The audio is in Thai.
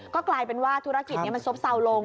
ก็กลายเป็นว่าธุรกิจนี้มันซบเซาลง